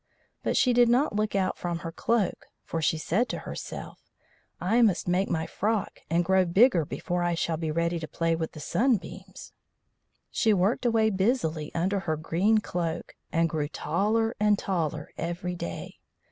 But she did not look out from her cloak, for she said to herself: "I must make my frock and grow bigger before I shall be ready to play with the sunbeams." She worked away busily under her green cloak, and grew taller and taller every day.